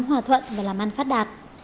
hòa thuận và làm ăn phát đạt